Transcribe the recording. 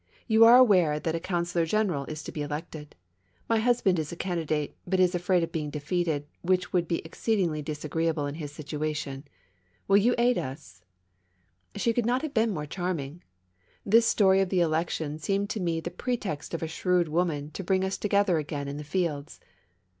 You are aware that a Coun sellor General is to be elected. My husband is a candi date, but is afraid of being defeated, which would be exceedingly disagreeable in his situation. Will you aid us ?" She could not have been more charming. This story THE MAISONS LAFFITTE EACES. 49 of the election seemed to me the pretext of a shrewd 'woman to bring us together again in the fields.